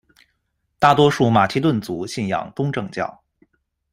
大多数马其顿族信仰东正教。